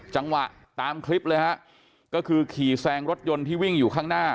จังหวะตามคลิปเลยฮะก็คือขี่แซงรถยนต์ที่วิ่งอยู่ข้างหน้า